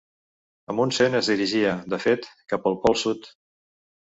Amundsen es dirigia, de fet, cap al Pol Sud.